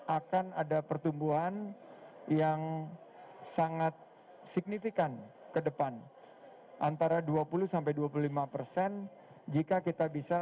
akan ada pertumbuhan yang sangat signifikan ke depan antara dua puluh dua puluh lima persen jika kita bisa